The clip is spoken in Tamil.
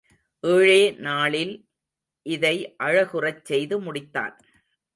ஏழே நாளில் இதை அழகுறச் செய்து முடித்தான்.